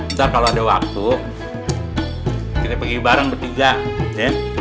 ntar kalau ada waktu kita pergi bareng bertiga ya